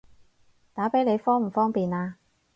打畀你方唔方便啊？